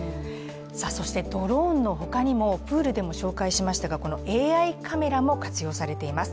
ドローンの他にもプールでも紹介しましたがＡＩカメラも活用されています。